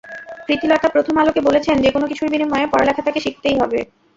প্রীতিলতা প্রথম আলোকে বলেছে, যেকোনো কিছুর বিনিময়ে পড়ালেখা তাকে শিখতেই হবে।